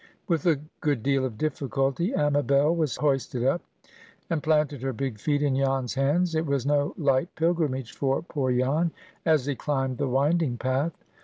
With a good deal of difficulty, Amabel was hoisted up, and planted her big feet in Jan's hands. It was no light pilgrimage for poor Jan, as he climbed the winding path.